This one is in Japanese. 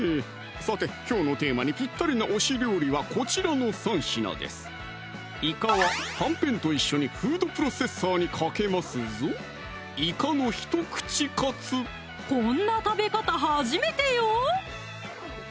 さてきょうのテーマにぴったりな推し料理はこちらの３品ですいかははんぺんと一緒にフードプロセッサーにかけますぞこんな食べ方初めてよ！